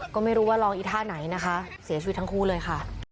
ก็ไม่รู้ว่าลองอีท่าไหนนะคะเสียชีวิตทั้งคู่เลยค่ะ